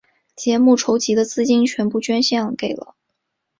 节目筹集的资金全部捐献给了。